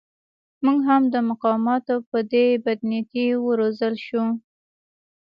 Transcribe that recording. موږ هم د مقاماتو په دې بدنیتۍ و روزل شوو.